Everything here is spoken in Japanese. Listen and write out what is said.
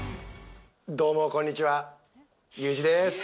どうもこんにちは、ユージです。